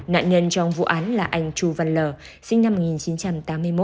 nạn nhân trong vụ án là anh chu văn l sinh năm một nghìn chín trăm tám mươi một